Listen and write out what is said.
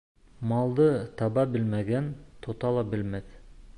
Малды таба белмәгән тота ла белмәҫ.